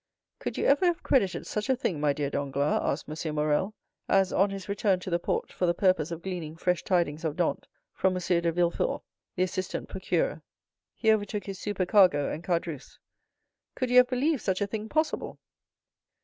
"Could you ever have credited such a thing, my dear Danglars?" asked M. Morrel, as, on his return to the port for the purpose of gleaning fresh tidings of Dantès, from M. de Villefort, the assistant procureur, he overtook his supercargo and Caderousse. "Could you have believed such a thing possible?"